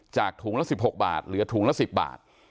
ถุงละ๑๖บาทเหลือถุงละ๑๐บาท